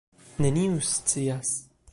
Neniu scias.